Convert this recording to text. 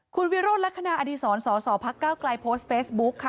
คุณวิโรธลักษณะอดีศรสสพักก้าวไกลโพสต์เฟซบุ๊คค่ะ